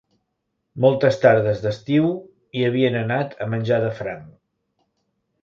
Moltes tardes d'estiu hi havien anat a menjar de franc.